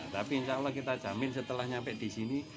tapi insya allah kita jamin setelah nyampe di sini